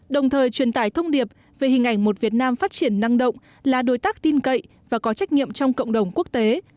đồng thời truyền tải thông điệp về hình ảnh một việt nam phát triển năng động là đối tác tin cậy và có trách nhiệm trong cộng đồng quốc tế